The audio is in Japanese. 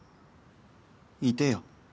いてよ。